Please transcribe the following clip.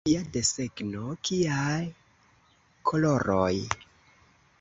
Kia desegno, kiaj koloroj!